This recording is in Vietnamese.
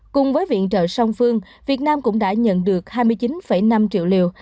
cùng với viện trợ song phương việt nam cũng đã nhận được hai mươi chín năm triệu liều